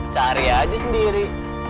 cari aja sendiri